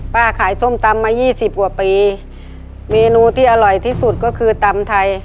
ขายส้มตำมายี่สิบกว่าปีเมนูที่อร่อยที่สุดก็คือตำไทย